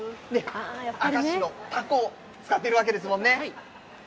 明石のタコを使っているわけですもんね。